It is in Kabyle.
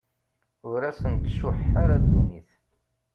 Ur asen-tcuḥḥ ara ddunit.